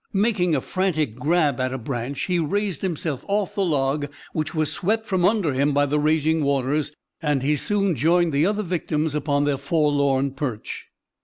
Making a frantic grab at a branch, he raised himself off the log, which was swept from under him by the raging waters and he soon joined the other victims upon their forlorn perch.